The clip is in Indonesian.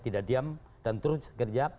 tidak diam dan terus kerja